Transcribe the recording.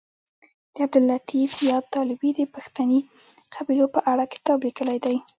عبداللطیف یاد طالبي د پښتني قبیلو په اړه کتاب لیکلی دی